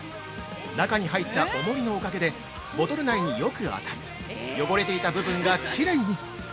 中に入ったおもりのおかげでボトル内によく当たり汚れていた部分がきれいに。